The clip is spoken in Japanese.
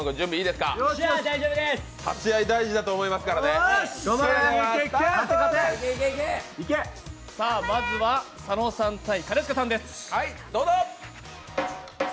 立ち会い、大事だと思いますからねまずは佐野さんと兼近さんです。